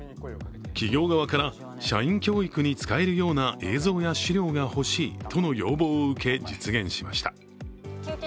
企業側から社員教育に使えるような映像や資料が欲しいとの要望を受け、実現しました。